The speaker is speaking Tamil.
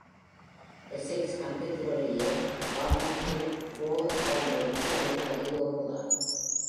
Essex County-க்கு வெளிய Vermont இல் gore போன்று மிச்சம் இருப்பது இது ஒன்றுதான்.